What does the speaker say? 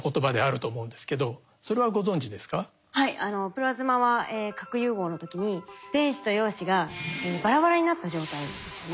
プラズマは核融合の時に電子と陽子がバラバラになった状態ですよね。